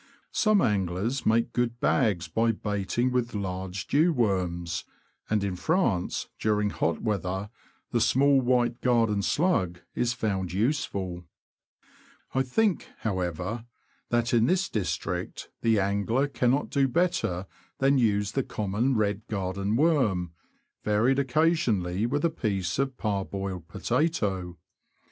Some anglers make good bags by baiting with large dew worms ; and in France, during hot weather, the small white garden slug is found useful. 298 THE LAND OF THE BROADS. I think, however, that in this district the angler cannot do better than use the common red garden worm, varied occasionally with a piece of parboiled potato.